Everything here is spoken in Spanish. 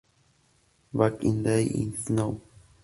Back in the Day... is Now